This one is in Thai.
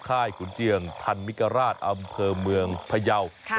ค่ายขุนเจียงทันมิกราชอำเภอเมืองพยาว